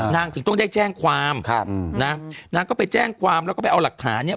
นางถึงต้องได้แจ้งความนางก็ไปแจ้งความแล้วก็ไปเอาหลักฐานี้